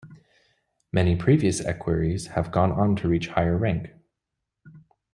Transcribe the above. Many previous equerries have gone on to reach higher rank.